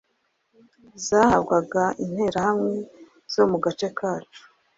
zahabwaga Interahamwe zo mugace kacu